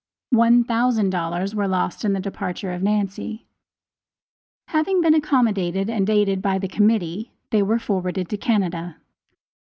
One thousand dollars were lost in the departure of Nancy. Having been accommodated and aided by the Committee, they were forwarded to Canada.